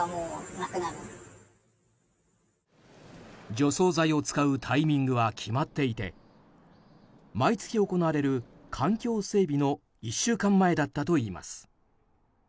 除草剤を使うタイミングは決まっていて毎月行われる環境整備の１週間前だったといいます。